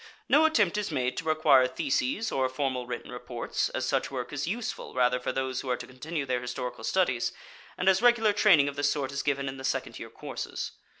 No attempt is made to require theses or formal written reports, as such work is useful rather for those who are to continue their historical studies, and as regular training of this sort is given in the second year courses.